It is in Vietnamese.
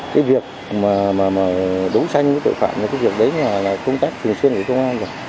cái việc mà đấu tranh với tội phạm là công tác thường xuyên của công an